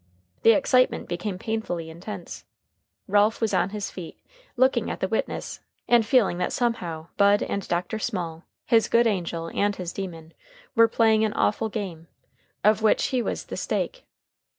The excitement became painfully intense. Ralph was on his feet, looking at the witness, and feeling that somehow Bud and Dr. Small his good angel and his demon were playing an awful game, or which he was the stake.